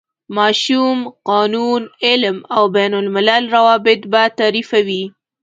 ماشوم، قانون، علم او بین الملل روابط به تعریفوي.